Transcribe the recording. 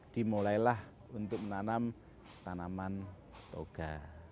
dimulailah untuk menanam tanaman toga